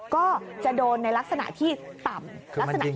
ก็จะโดนในลักษณะที่ต่ำลักษณะ